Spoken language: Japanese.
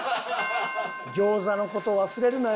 餃子の事忘れるなよ。